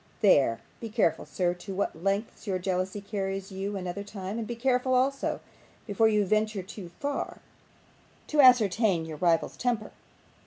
There. Be careful, sir, to what lengths your jealousy carries you another time; and be careful, also, before you venture too far, to ascertain your rival's temper.